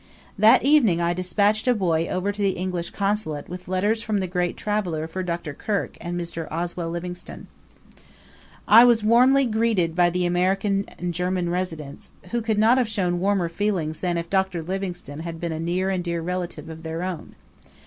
That evening I despatched a boy over to the English Consulate with letters from the great traveller for Dr. Kirk and Mr. Oswell Livingstone. I was greeted warmly by the American and German residents, who could not have shown warmer feeling than if Dr. Livingstone had been a near and dear relation of their own.